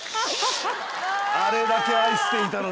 あれだけ愛していたのに。